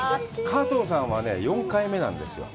加藤さんはね、４回目なんですよ。